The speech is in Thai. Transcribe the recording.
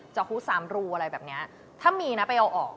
หูสามรูอะไรแบบนี้ถ้ามีนะไปเอาออก